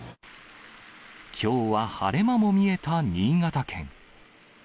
きょうは晴れ間も見えた新潟県。